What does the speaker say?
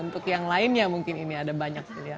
untuk yang lainnya mungkin ini ada banyak pilihan